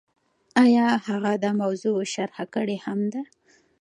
هغه دا موضوع شرح کړې هم ده.